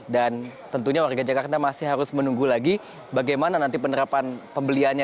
dan tentunya warga jakarta masih harus menunggu lagi bagaimana nanti penerapan pembeliannya